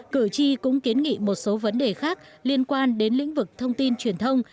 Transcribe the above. cử tri cũng kiến nghị một số vấn đề khác liên quan đến lĩnh vực thông tin truyền thông